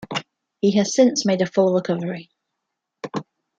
He has since made a full recovery.